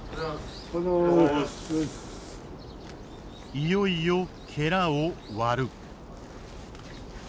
いよいよを割る。